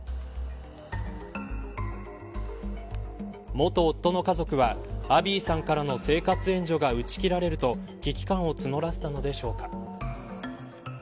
元夫の家族はアビーさんからの生活援助が打ち切られると危機感を募らせたのでしょうか。